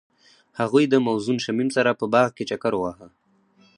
هغوی د موزون شمیم سره په باغ کې چکر وواهه.